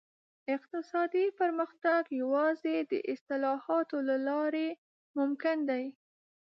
اقتصادي پرمختګ یوازې د اصلاحاتو له لارې ممکن دی.